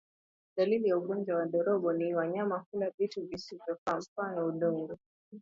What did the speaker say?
Dalili ya ugonjwa wa ndorobo ni wanyama kula vitu visivyofaa mfano udongo